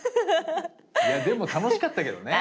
いやでも楽しかったけどね。